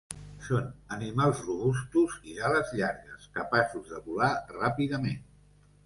Són animals robustos i d'ales llargues, capaços de volar ràpidament.